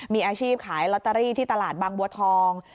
มีอาชีพขายลอตเตอรี่ที่ตลาดบางบัวทอง